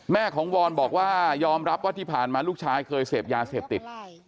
แม่ของวอนบอกว่ายอมรับว่าที่ผ่านมาลูกชายเคยเสพยาเสพติด